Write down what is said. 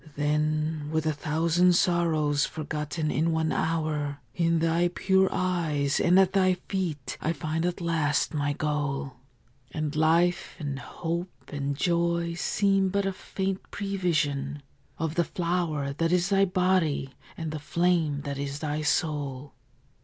Then, with a thousand sorrows forgotten in one hour, In thy pure eyes and at thy feet I find at last my goal; And life and hope and joy seem but a faint prevision Of the flower that is thy body and the flame that is thy soul.